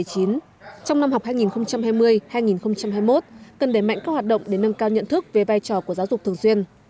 trong năm học hai nghìn hai mươi hai nghìn hai mươi một cần đẩy mạnh các hoạt động để nâng cao nhận thức về vai trò của giáo dục thường xuyên